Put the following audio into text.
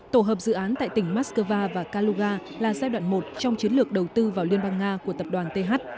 tổ hợp dự án tại tỉnh moscow và kaluga là giai đoạn một trong chiến lược đầu tư vào liên bang nga của tập đoàn th